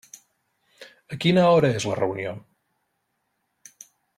A quina hora és la reunió?